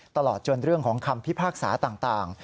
ตลอดจนเรื่องของคำพิพากษาต่าง